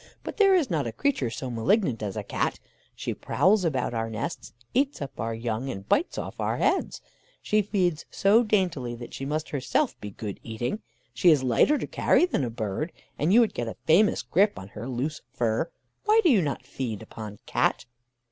But there is not a creature so malignant as a Cat; she prowls about our nests, eats up our young, and bites off our own heads. She feeds so daintily that she must be herself good eating. She is lighter to carry than a bird, and you would get a famous grip in her loose fur. Why do you not feed upon Cat?